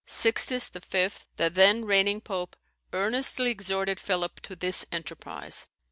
Sixtus V., the then reigning pope, earnestly exhorted Philip to this enterprise.